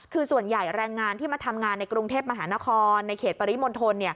คือส่วนใหญ่แรงงานที่มาทำงานในกรุงเทพมหานครในเขตปริมณฑล